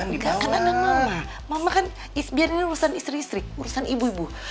gak kan anak mama mama kan biar ini urusan istri istri urusan ibu ibu